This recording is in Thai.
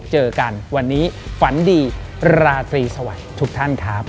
เจอกันวันนี้ฝันดีราตรีสวัสดีทุกท่านครับ